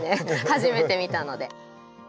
初めて見たので。